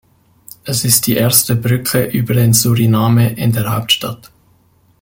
Es ist die erste Brücke über den Suriname in der Hauptstadt.